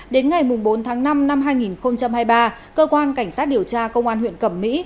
đến ngày bốn tháng năm năm hai nghìn hai mươi ba cơ quan cảnh sát điều tra công an huyện cẩm mỹ